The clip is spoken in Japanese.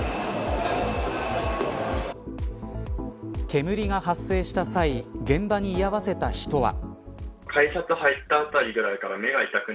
煙が発生した際現場に居合わせた人は。